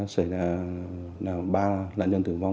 sảy ra ba nạn nhân tử vong